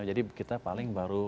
jadi kita paling baru